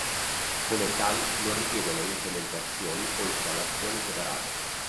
Come tali, non richiedono implementazioni o installazioni separate.